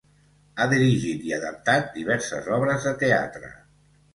Ha dirigit i adaptat diverses obres de teatre.